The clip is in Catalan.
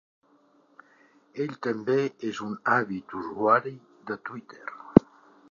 Ell també és un àvid usuari de Twitter.